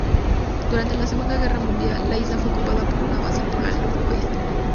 Durante la Segunda Guerra Mundial, la isla fue ocupada como base por la Luftwaffe.